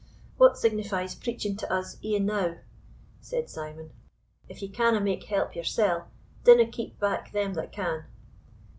"What signifies preaching to us, e'enow?" said Simon; "if ye canna make help yoursell, dinna keep back them that can."